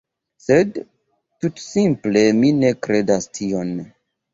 Sed, tutsimple, mi ne kredas tion.